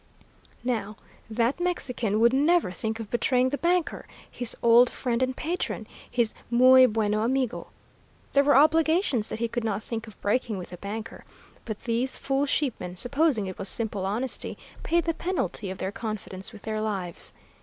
"Now that Mexican would never think of betraying the banker, his old friend and patron, his muy bueno amigo. There were obligations that he could not think of breaking with the banker; but these fool sheep men, supposing it was simple honesty, paid the penalty of their confidence with their lives.